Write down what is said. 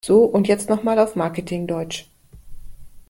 So, und jetzt noch mal auf Marketing-Deutsch!